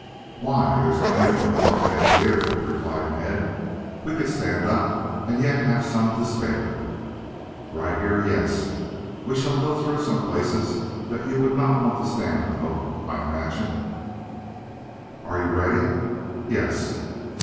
"Why, there is plenty of room for our heads here," replied Ned. "We could stand up and yet have some to spare." "Right here, yes. We shall go through some places that you would not want to stand through, I imagine." "Are you ready?" "Yes."